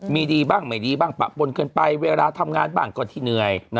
มีดีบ้างไม่ดีบ้างปะปนเกินไปเวลาทำงานบ้างก็ที่เหนื่อย